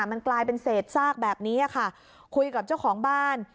มันกลายเป็นเศษซากแบบนี้ค่ะคุยกับเจ้าของบ้าน